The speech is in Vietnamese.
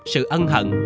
sự ân hận